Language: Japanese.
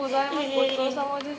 ごちそうさまです。